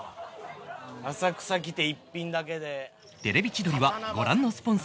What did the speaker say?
浅草来て一品だけで。